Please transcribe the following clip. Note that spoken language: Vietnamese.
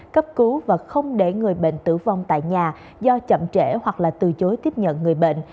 cấp cứu và không để người bệnh tử vong tại nhà do chậm trễ hoặc là từ chối tiếp nhận người bệnh